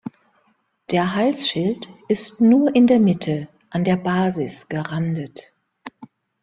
Der Halsschild ist nur in der Mitte an der Basis gerandet.